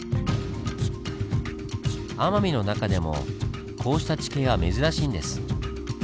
奄美の中でもこうした地形は珍しいんです。